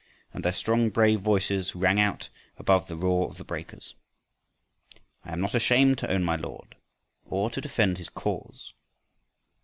And their strong, brave voices rang out above the roar of the breakers: I'm not ashamed to own my Lord, Or to defend his cause.